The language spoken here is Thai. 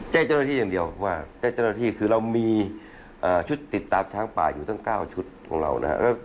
แจ้งเจ้าหน้าที่อย่างเดียวว่าแจ้งเจ้าหน้าที่คือเรามีชุดติดตามช้างป่าอยู่ตั้ง๙ชุดของเรานะครับ